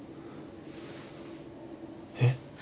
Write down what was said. えっ？